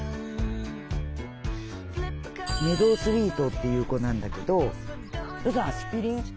メドウスイートっていう子なんだけど要するにアスピリン。